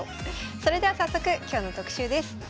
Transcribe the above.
それでは早速今日の特集です。